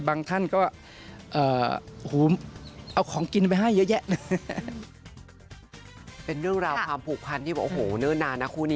ท่านก็เอาของกินไปให้เยอะแยะเลย